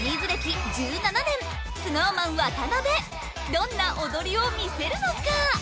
どんな踊りを見せるのか？